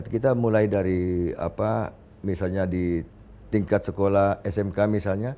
kita mulai dari apa misalnya di tingkat sekolah smk misalnya